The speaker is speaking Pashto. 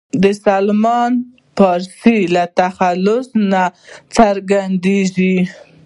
د سلمان فارسي له تخلص نه څرګندېږي.